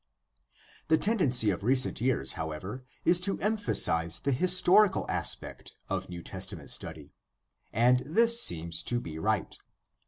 The tendency of recent years, however, is to emphasize the historical aspect of New Testament study. And this seems to be right.